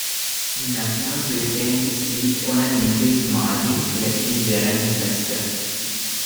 The Nationals retained the seat on an increased margin, electing Darren Chester.